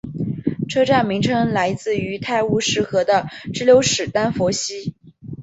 车站名称来自于泰晤士河的支流史丹佛溪。